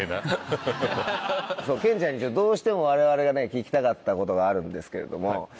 ケンちゃんにどうしても我々がね聞きたかったことがあるんですけれども。